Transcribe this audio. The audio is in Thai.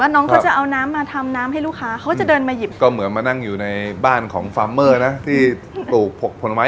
ครั้งเดียวขอไปดูบรรยากาศแบบจริงเลยเวลาที่มาที่ร้านนี้เวลาที่สั่งอะไร